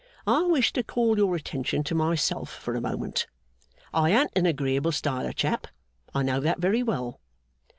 I wish to call your attention to myself for a moment. I an't an agreeable style of chap, I know that very well.